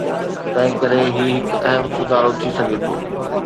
تنهنڪري هي هڪ اهم سڌارو ٿي سگهي ٿو.